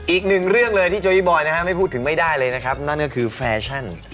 อีกหนึ่งเรื่องเลยที่โจอีบอยนะฮะไม่พูดถึงไม่ได้เลยนะครับนั่นก็คือแฟชั่น